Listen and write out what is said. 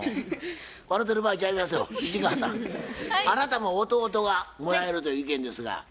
あなたも弟がもらえるという意見ですが。